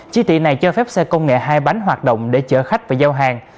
chỉ thị này cho phép xe công nghệ hai bánh hoạt động để chở khách và giao hàng